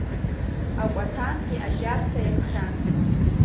Акәаҭангьы ажьакца иакхьан.